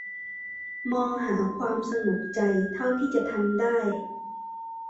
มองหาความสงบใจเท่าที่จะทำได้